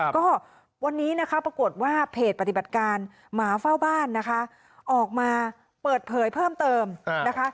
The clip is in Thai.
ก็วันนี้นะคะปรากฏว่าเพจปฏิบัติการหมาเฝ้าบ้านนะคะออกมาเปิดเผยเพิ่มเติมนะคะ